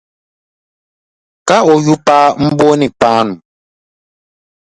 Ka o yupaa m-booni Paanu.